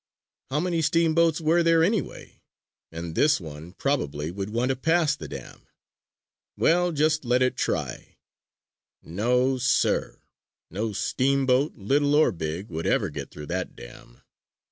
How many steamboats were there, anyway? And this one probably would want to pass the dam! Well, just let it try! No, sir! No steamboat, little or big, would ever get through that dam!